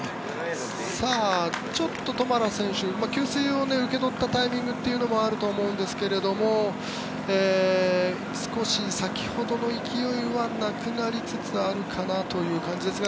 ちょっとトマラ選手給水を受け取ったタイミングというのもあるとは思うんですけど少し先ほどの勢いはなくなりつつあるかなという感じですが。